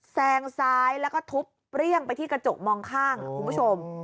แซงซ้ายแล้วก็ทุบเปรี้ยงไปที่กระจกมองข้างคุณผู้ชม